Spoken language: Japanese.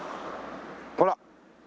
ほら！